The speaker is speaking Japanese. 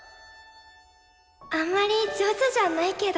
あんまり上手じゃないけど。